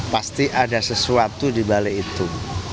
pasti ada sesuatu di balik itu